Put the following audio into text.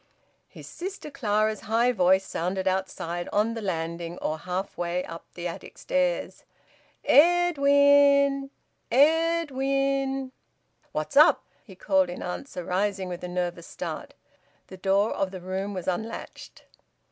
His sister Clara's high voice sounded outside, on the landing, or half way up the attic stairs. "Ed win! Ed win!" "What's up?" he called in answer, rising with a nervous start. The door of the room was unlatched.